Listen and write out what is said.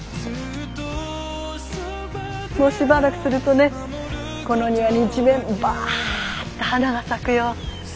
もうしばらくするとねこの庭に一面バッと花が咲くよ。